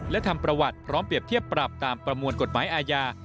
และทำประวัติพร้อมเปรียบเทียบปรับตามประมวลกฎหมายอาญา